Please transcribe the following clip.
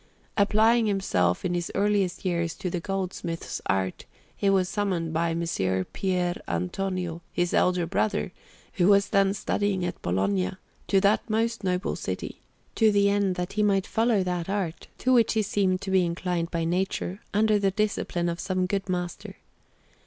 Applying himself in his earliest years to the goldsmith's art, he was summoned by Messer Pier Antonio, his elder brother, who was then studying at Bologna, to that most noble city, to the end that he might follow that art, to which he seemed to be inclined by nature, under the discipline of some good master.